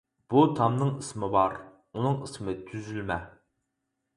بۇ تامنىڭ ئىسمى بار، ئۇنىڭ ئىسمى «تۈزۈلمە» .